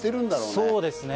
そうですね。